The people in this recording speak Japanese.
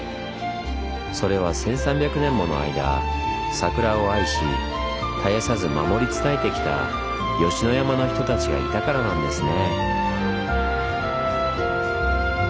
それは１３００年もの間桜を愛し絶やさず守り伝えてきた吉野山の人たちがいたからなんですね。